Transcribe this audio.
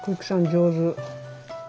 上手。